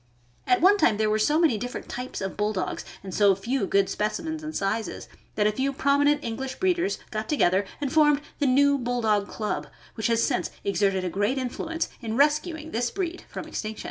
At one time there were so many different types of Bull dogs, and so few good specimens and sizes, that a few prom inent English breeders got together and formed the New Bulldog Club, which has since exerted a great influence in rescuing this breed from extinction.